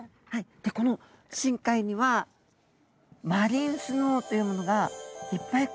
でこの深海にはマリンスノーというものがいっぱいこう雪のように降ってくるんですね。